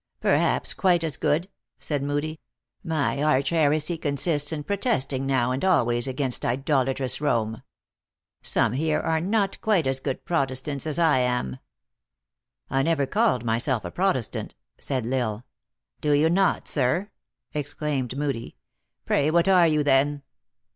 " Perhaps quite as good," said Moodie. " My arch heresy consists in protesting now and always against idolatrous Rome. Some here are not quite as good Protestants as I am." THE ACTRESS IN HIGH LIFE. 239 "I never called myself a Protestant," said L Isle. " Do you not, sir ?" exclaimed Hoodie. " Pray what are you then